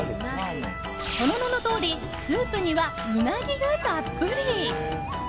その名のとおりスープにはウナギがたっぷり。